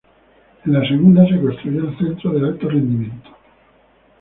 En la segunda se construyó el centro de alto rendimiento.